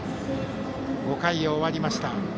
５回を終わりました。